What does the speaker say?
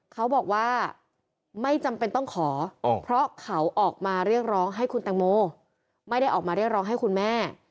เขาบอกว่าไม่จำเป็นต้องขอเพราะเขาออกมาเรียกร้องให้คุณแตงโมไม่ได้ออกมาเรียกร้องให้คุณแม่